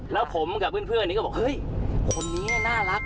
แล้วผมกับเพื่อนนี้ก็บอกเฮ้ยคนนี้น่ารัก